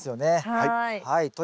はい。